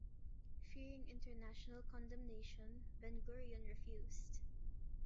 Fearing international condemnation Ben Gurion refused.